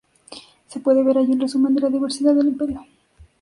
Se puede ver allí un resumen de la diversidad del imperio.